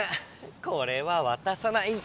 これはわたさない。